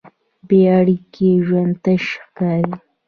بېاړیکې ژوند تش ښکاري.